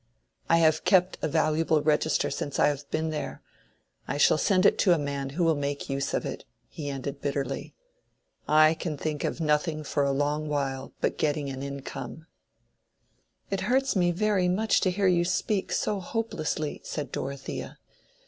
I have kept a valuable register since I have been there; I shall send it to a man who will make use of it," he ended bitterly. "I can think of nothing for a long while but getting an income." "It hurts me very much to hear you speak so hopelessly," said Dorothea.